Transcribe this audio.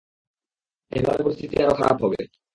এভাবে পরিস্থিতি আরো খারাপ হবে।